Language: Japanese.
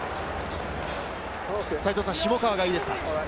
下川がいいですか？